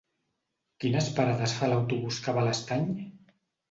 Quines parades fa l'autobús que va a l'Estany?